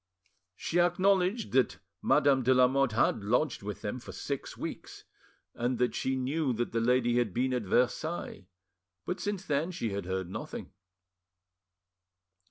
She acknowledged that Madame de Lamotte had lodged with them for six weeks, and that she knew that lady had been at Versailles, but since then she had heard nothing.